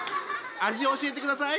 味を教えてください。